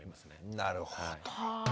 なるほど。